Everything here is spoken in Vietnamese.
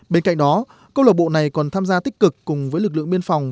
bên cạnh đó câu lạc bộ này còn tham gia tích cực cùng với lực lượng biên phòng